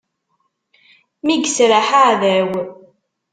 Mi yesraḥ aɛdaw.